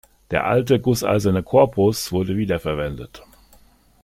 Der alte, gusseiserne Korpus wurde wiederverwendet.